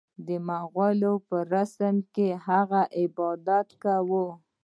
د مغولو په رسم یې د هغه عبادت کاوه.